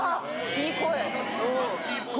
いい声。